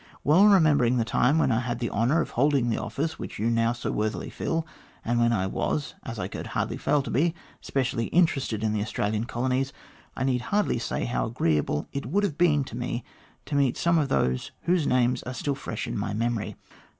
"Well remembering the time when I had the honour of holding the office which you now so worthily fill, and when I was, as I could hardly fail to be, specially interested in the Australian colonies, I need hardly say how agreeable it would have been to me to meet some of those whose names are still fresh in my* memory.